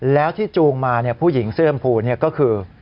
แล้วที่จูงมาผู้หญิงเสื้อชมพูก็คือ